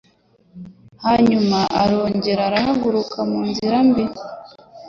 Hanyuma arongera arahaguruka mu nzira mbi